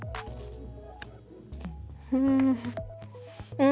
うん。